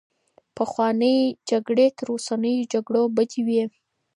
پخوانۍ جګړې تر اوسنيو جګړو بدې وې.